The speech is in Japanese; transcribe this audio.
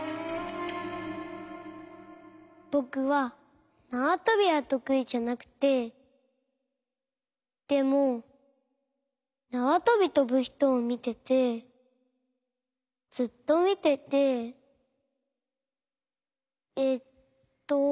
ぼくはなわとびはとくいじゃなくてでもなわとびとぶひとをみててずっとみててえっと。